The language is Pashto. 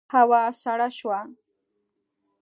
هوا سړه شوه.